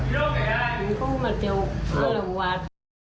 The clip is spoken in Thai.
หรือก็มันเดี๋ยวอัลลวาท